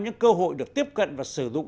những cơ hội được tiếp cận và sử dụng